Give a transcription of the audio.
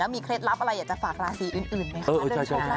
แล้วมีเคล็ดลับอะไรอยากจะฝากราศรีอื่นไหมคะ